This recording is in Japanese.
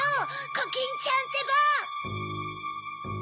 コキンちゃんってば！